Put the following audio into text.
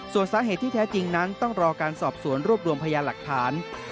ส่วนสาเหตุที่แท้จริงนั้นต้องรอการสอบสวนรวบรวมพยานหลักฐาน